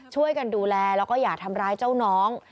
ช่วยกันดูแลแล้วก็อย่าทำร้ายเจ้าน้อง